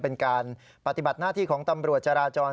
เป็นการปฏิบัติหน้าที่ของตำรวจจราจร